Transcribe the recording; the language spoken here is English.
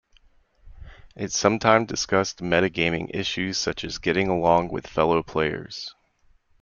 It sometimes discussed "meta-gaming" issues, such as getting along with fellow players.